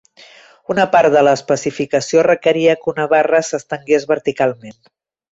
Una part de l'especificació requeria que una barra s'estengués verticalment.